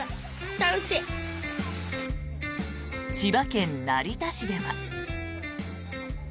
千葉県成田市では。